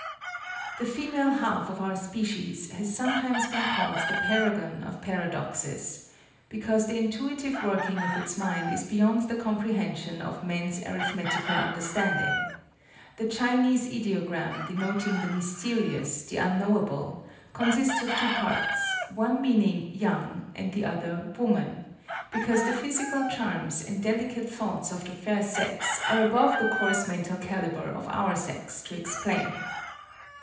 The female half of our species has sometimes been called the paragon of paradoxes, because the intuitive working of its mind is beyond the comprehension of men's "arithmetical understanding." The Chinese ideogram denoting "the mysterious," "the unknowable," consists of two parts, one meaning "young" and the other "woman," because the physical charms and delicate thoughts of the fair sex are above the coarse mental calibre of our sex to explain.